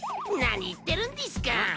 何言ってるんですか。